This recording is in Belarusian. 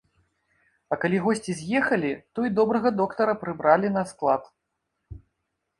А калі госці з'ехалі, то і добрага доктара прыбралі на склад.